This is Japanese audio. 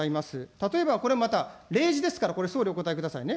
例えばこれまた例示ですから、これ、総理お答えくださいね。